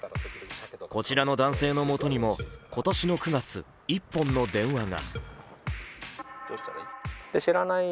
こちらの男性のもとにも今年の９月、１本の電話が。